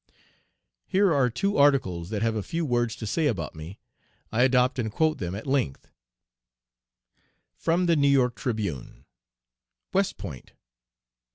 Here are two articles that have a few words to say about me. I adopt and quote them at length: (From the New York Tribune.) WEST POINT.